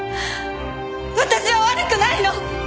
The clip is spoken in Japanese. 私は悪くないの！